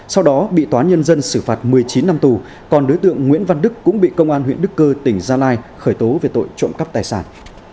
sau đó bị tòa nhân dân xử phạt một mươi chín năm tù còn đối tượng nguyễn văn đức cũng bị công an huyện đức cơ tỉnh gia lai khởi tố về tội trộm cắp tài sản